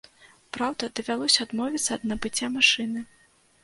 Праўда, давялося адмовіцца ад набыцця машыны.